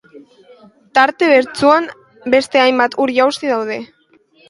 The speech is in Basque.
Tarte bertsuan, beste hainbat ur-jauzi daude.